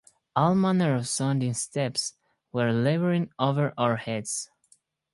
All manner of sounding steps were labouring over our heads.